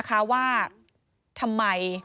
ที่อ๊อฟวัย๒๓ปี